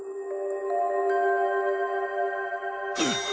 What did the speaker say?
うっ！